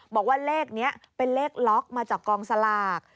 บอกว่าเลขนี้เป็นเลขล็อกมาจากกองสลาก